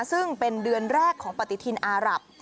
ซึ่งเป็นเดือนแรกของปฏิทินอารับ